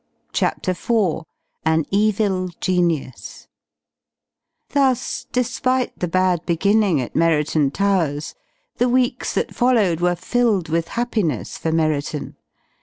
CHAPTER IV AN EVIL GENIUS Thus, despite the bad beginning at Merriton Towers the weeks that followed were filled with happiness for Merriton.